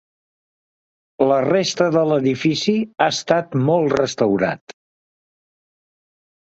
La resta de l'edifici ha estat molt restaurat.